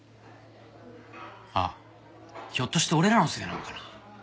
あっひょっとして俺らのせいなんかな。